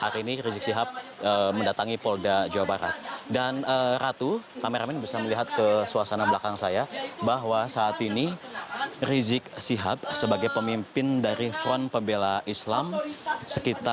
rizik shihab berkata